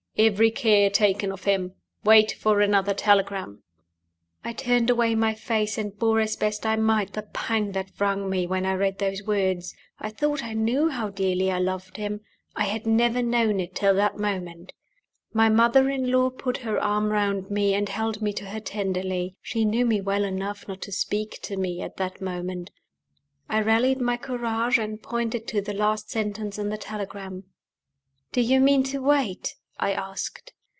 Every care taken of him. Wait for another telegram." I turned away my face, and bore as best I might the pang that wrung me when I read those words. I thought I knew how dearly I loved him: I had never known it till that moment. My mother in law put her arm round me, and held me to her tenderly. She knew me well enough not to speak to me at that moment. I rallied my courage, and pointed to the last sentence in the telegram. "Do you mean to wait?" I asked.